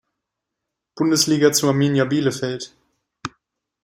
Bundesliga zu Arminia Bielefeld.